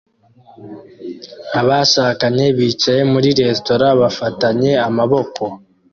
Abashakanye bicaye muri resitora bafatanye amaboko